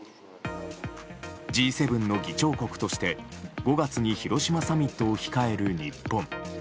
Ｇ７の議長国として５月に広島サミットを控える日本。